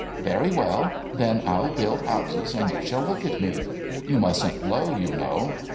* Very well. Then PU build houses, and you shall look at me. You mustn't blow, you know.'